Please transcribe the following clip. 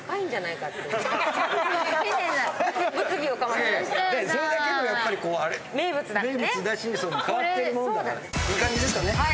いい感じですかねじゃ